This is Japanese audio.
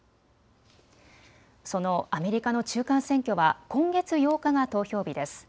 そのアメリカの中間選挙は今月８日が投票日です。